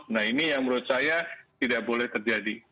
nah ini yang menurut saya tidak boleh terjadi